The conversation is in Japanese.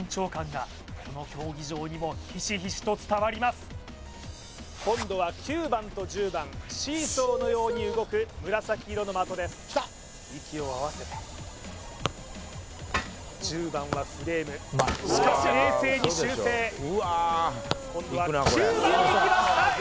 ひしひしと今度は９番と１０番シーソーのように動く紫色の的です息を合わせて１０番はフレームしかし冷静に修正今度は９番いきました！